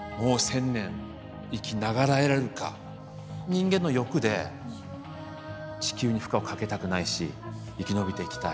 人間の欲で地球に負荷をかけたくないし生き延びていきたい。